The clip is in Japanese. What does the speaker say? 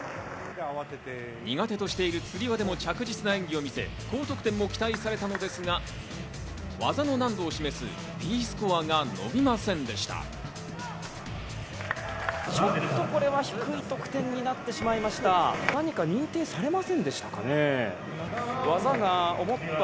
苦手としているつり輪でも着実な演技を見せ高得点が期待されたんですが、技の難度を示すＤスコアが伸びませんでした。